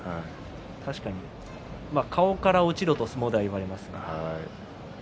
顔から落ちろと相撲では言われますが。